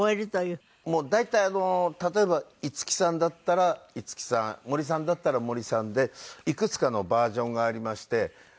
大体例えば五木さんだったら五木さん森さんだったら森さんでいくつかのバージョンがありまして。